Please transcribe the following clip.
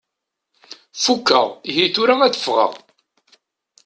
Fukkeɣ, ihi tura ad ffɣeɣ.